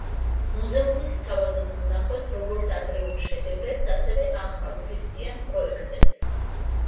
მუზეუმი სთავაზობს მნახველს როგორც ადრეულ შედევრებს, ასევე ახალ, რისკიან პროექტებს.